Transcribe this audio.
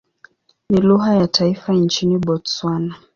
Ni lugha ya taifa nchini Botswana.